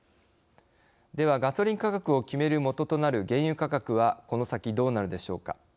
では、ガソリン価格を決める元となる原油価格はこの先どうなるでしょうか。